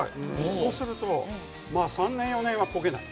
そうすれば３年４年は焦げない。